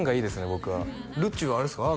僕はるっちはあれですか？